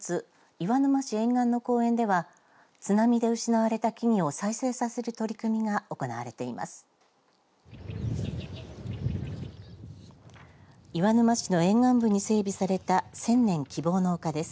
岩沼市沿岸の公園では津波で失われた木々を再生させる取り組みが行われています。